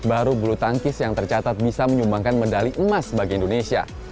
baru bulu tangkis yang tercatat bisa menyumbangkan medali emas bagi indonesia